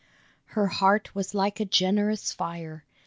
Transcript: Her heart was like a generous fire